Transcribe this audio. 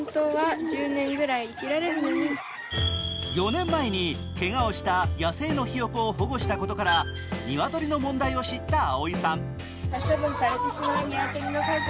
４年前にけがをした野生のひよこを保護したことからニワトリの問題を知ったあおいさん。